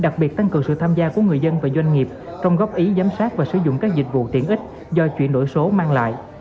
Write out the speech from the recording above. đặc biệt tăng cường sự tham gia của người dân và doanh nghiệp trong góp ý giám sát và sử dụng các dịch vụ tiện ích do chuyển đổi số mang lại